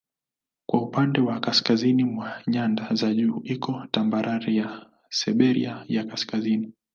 Kwa upande wa kaskazini mwa nyanda za juu iko tambarare ya Siberia ya Kaskazini.